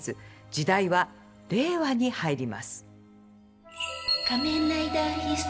時代は令和に入ります。